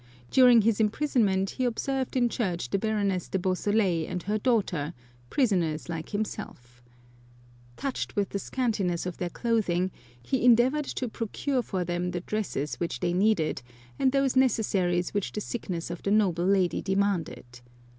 During his imprisonment he ob served in church the Baroness de Beausoleil and her daughter, prisoners like himself. Touched with the 162 J r The Baroness de Beausoleil scantiness of their clothing, he endeavoured to pro cure for them the dresses which they needed, and those necessaries which the sickness of the noble lady demanded.